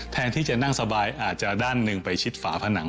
แทนที่จะนั่งสบายอาจจะด้านหนึ่งไปชิดฝาผนัง